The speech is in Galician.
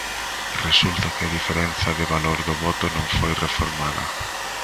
Resulta que a diferenza de valor do voto non foi reformada.